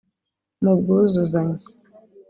mu bwuzuzanye